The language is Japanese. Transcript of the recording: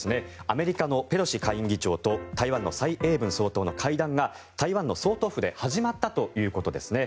アメリカのペロシ下院議長と台湾の蔡英文総統の会談が台湾の総統府で始まったということですね。